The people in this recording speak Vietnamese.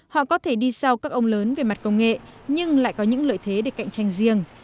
họ có thể đi sau các ông lớn về mặt công nghệ nhưng lại có những lợi thế để cạnh tranh riêng